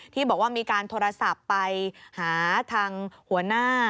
ที่บอกว่ามีการโทรศัพท์ไปหาทางหัวหน้า